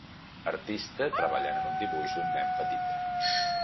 Artista treballant en un dibuix d'un nen petit.